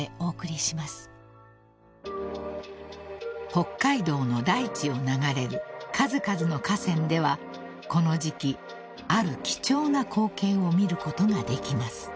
［北海道の大地を流れる数々の河川ではこの時季ある貴重な光景を見ることができます］